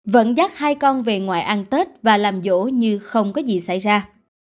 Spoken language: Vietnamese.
vẫn dắt hai con về ngoài ăn tết và làm dỗ như không có gì xảy ra